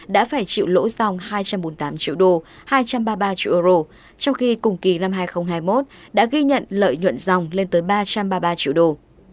đã phải chịu lỗ dòng hai trăm bốn mươi tám triệu đô hai trăm ba mươi ba triệu euro trong khi cùng kỳ năm hai nghìn hai mươi một đã ghi nhận lợi nhuận dòng lên tới ba trăm ba mươi ba triệu đô